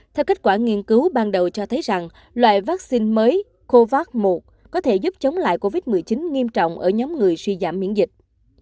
theo kết quả nghiên cứu ban đầu cho thấy rằng loại vaccine mới covax một có thể giúp chống lại covid một mươi chín nghiêm trọng ở nhóm người suy giảm miễn dịch